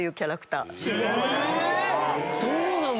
そうなんだ。